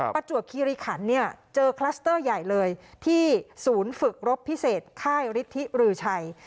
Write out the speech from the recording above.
ประจวบคิริขันเนี่ยเจอคลัสเตอร์ใหญ่เลยที่ศูนย์ฝึกรบพิเศษค่ายฤทธิรือชัย